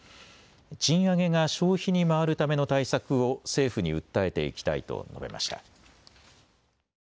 賃上げが消費に回るための対策を政府に訴えていきたいと述べました。